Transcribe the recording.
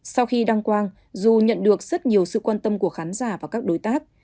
sau khi đăng quang dù nhận được rất nhiều sự quan tâm của khán giả và các đối tác